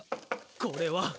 これは」